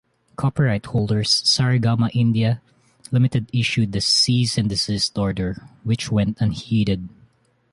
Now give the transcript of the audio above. Copyright holders Saregama India, Limited issued a cease-and-desist order, which went unheeded.